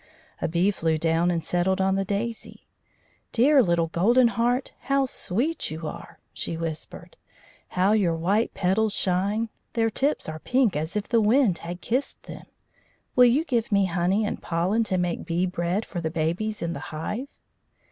A bee flew down and settled on the daisy. "Dear little Golden Heart, how sweet you are!" she whispered. "How your white petals shine! Their tips are pink, as if the wind had kissed them. Will you give me honey and pollen to make bee bread for the babies in the hive?"